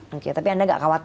oke tapi anda nggak kawal itu